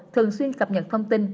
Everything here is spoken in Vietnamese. thường xuyên cập nhật thông tin